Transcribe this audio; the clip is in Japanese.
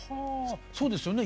そうですよね。